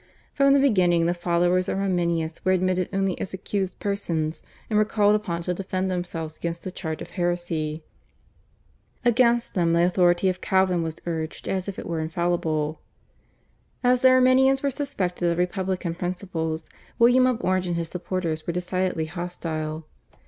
From the beginning the followers of Arminius were admitted only as accused persons, and were called upon to defend themselves against the charge of heresy. Against them the authority of Calvin was urged as if it were infallible. As the Arminians were suspected of republican principles William of Orange and his supporters were decidedly hostile.